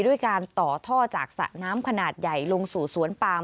ด้วยการต่อท่อจากสระน้ำขนาดใหญ่ลงสู่สวนปาม